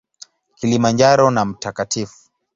Kilimanjaro na Mt.